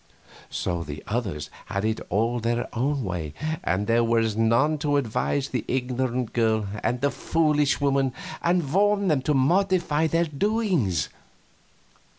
So the others had it all their own way, and there was none to advise the ignorant girl and the foolish woman and warn them to modify their doings.